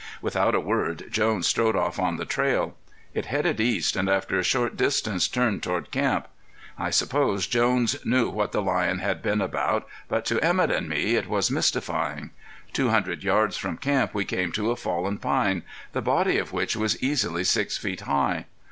Without a word, Jones strode off on the trail. It headed east and after a short distance turned toward camp. I suppose Jones knew what the lion had been about, but to Emett and me it was mystifying. Two hundred yards from camp we came to a fallen pine, the body of which was easily six feet high.